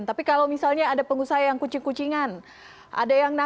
tidak walaupun betul saran itu adalah